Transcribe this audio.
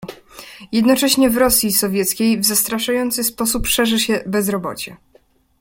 "Jednocześnie w Rosji Sowieckiej w zastraszający sposób szerzy się bezrobocie."